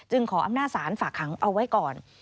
ขออำนาจศาลฝากขังเอาไว้ก่อน